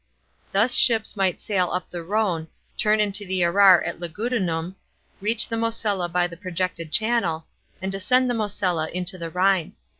Thus ships might sail up the Rhone, turn into the Arar at Lugudunum, reach the Mosella by the projected channel, and descend the Mosella into the Rhine.